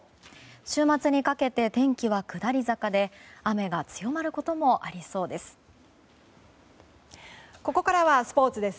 週末にかけて天気は下り坂で雨が強まることもありそうです。